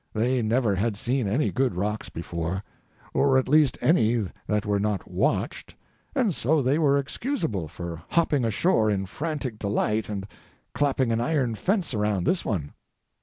They never had seen any good rocks before, or at least any that were not watched, and so they were excusable for hopping ashore in frantic delight and clapping an iron fence around this one.